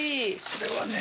これはね。